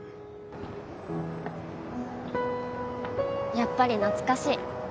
やっぱり懐かしい。